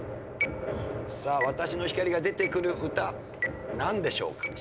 さあ「わたしの光」が出てくる歌何でしょうか。